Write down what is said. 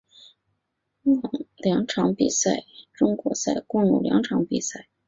美国职棒大联盟中国赛共有两场比赛。